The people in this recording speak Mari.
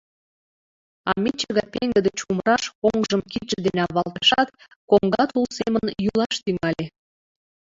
А мече гай пеҥгыде чумыраш оҥжым кидше дене авалтышат, коҥга тул семын йӱлаш тӱҥале.